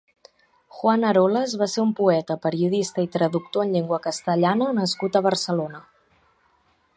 Juan Arolas va ser un poeta, periodista i traductor en llengua castellana nascut a Barcelona.